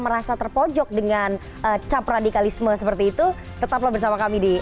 merasa terpojok dengan cap radikalisme seperti itu tetaplah bersama kami di